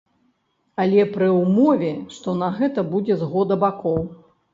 Але пры ўмове, што на гэта будзе згода бакоў.